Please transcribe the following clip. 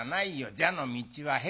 蛇の道は蛇。